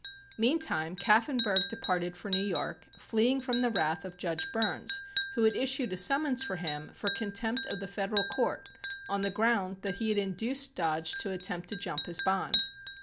Meantime Kaffenburgh departed for New York, fleeing from the wrath of Judge Burns, who had issued a summons for him for contempt of the Federal Court on the ground that he had induced Dodge to attempt to jump his bond.